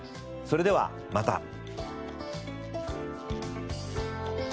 それではまた。